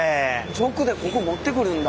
直でここ持ってくるんだ。